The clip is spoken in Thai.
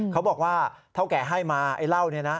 เขาบอกว่าเท่าแก่ให้มาไอ้เหล้าเนี่ยนะ